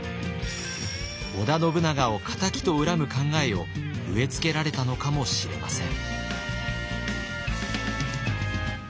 織田信長を仇と恨む考えを植え付けられたのかもしれません。